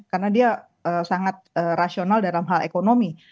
karena dia sangat rasional dalam hal ekonomi